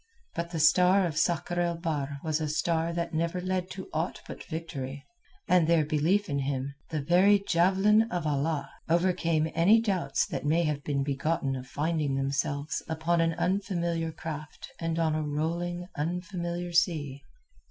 But the star of Sakr el Bahr was a star that never led to aught but victory, and their belief in him, the very javelin of Allah, overcame any doubts that may have been begotten of finding themselves upon an unfamiliar craft and on a rolling, unfamiliar sea.